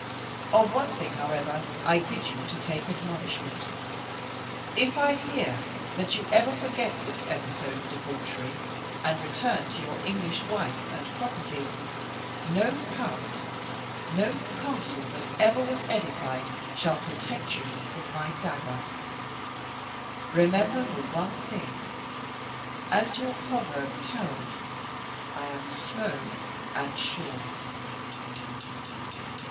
Of one thing, however, I bid you to take admonishment. If I hear that you ever forget this episode of debauchery, and return to your English wife and property, no house, no castle that ever was edified, shall protect you from my dagger. Remember the one thing, as your proverb tells, I am slow and sure.